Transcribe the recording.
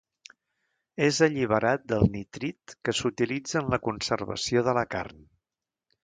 És alliberat del nitrit que s'utilitza en la conservació de la carn.